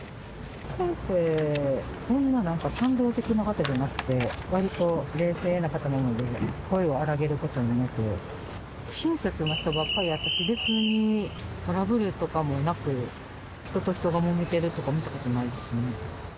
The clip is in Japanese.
先生はそんな感情的な方じゃなくて、わりと冷静な方なので、声を荒げることもなく、親切な人ばっかりやったし、別にトラブルとかもなく、人と人がもめてるとか見たことないですね。